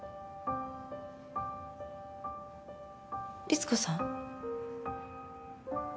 リツコさん？